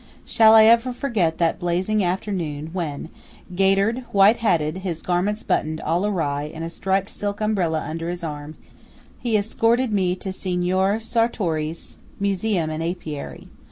Shall I ever forget that blazing afternoon when, gaitered, white hatted, his garments buttoned all awry and a striped silk umbrella under his arm, he escorted me to Signor Sartoris's museum and apiary?